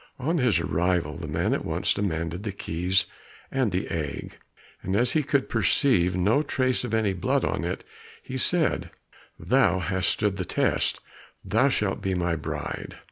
On his arrival, the man at once demanded the keys and the egg, and as he could perceive no trace of any blood on it, he said, "Thou hast stood the test, thou shalt be my bride."